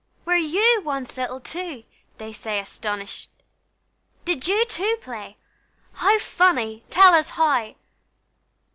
"Were you once little too?" they say, astonished; "Did you too play? How funny! tell us how."